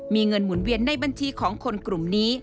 มีเงินหมุนเวียนในบัญชีของคนกลุ่มนี้